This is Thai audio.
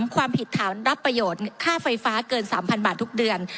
ความผิดฐานรับประโยชน์ค่าไฟฟ้าเกิน๓๐๐บาททุกเดือน